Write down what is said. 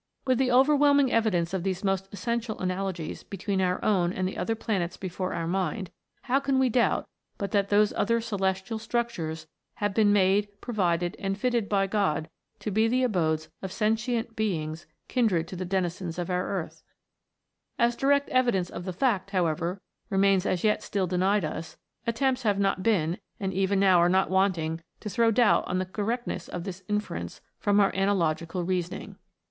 With the overwhelming evidence of these most 184 A FLIGHT THROUGH SPACE. essential analogies between our own and the other planets before our mind, how can we doubt but that those other "celestial structures" have been made, provided, and fitted by God to be the abodes of sentient beings kindred to the denizens of our earth 1 As direct evidence of the fact, however, remains as yet still denied us, attempts have not been, and even now are not wanting to throw doubt on the correctness of this inference from our analogical reasoning.